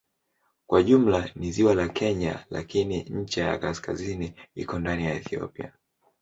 Kwa jumla ni ziwa la Kenya lakini ncha ya kaskazini iko ndani ya Ethiopia.